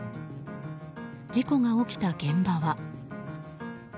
事故が起きた現場は。